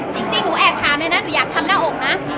จริงหนูแอบถามเลยนะหนูอยากทำหน้าอกนะ